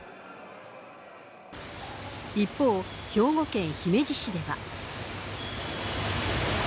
一方、兵庫県姫路市では。